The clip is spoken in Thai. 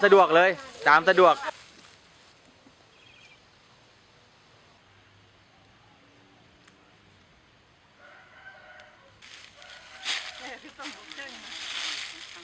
จากความสวยในหัวสบายผ่าน